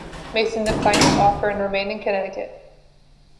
Mason declined this offer and remained in Connecticut.